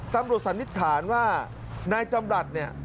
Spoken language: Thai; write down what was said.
ตำรวจสันนิจฐานว่านายจำหลัดนี่